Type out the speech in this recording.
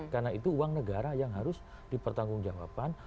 karena itu uang negara yang harus dipertanggung jawaban